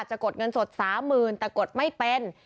จะกดเงินสดสามหมื่นแต่กดไม่เป็น